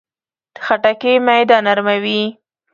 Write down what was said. خټکی معده نرموي.